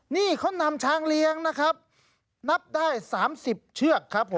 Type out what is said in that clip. นี่เขานำช้างเลี้ยงนะครับนับได้๓๐เชือกครับผม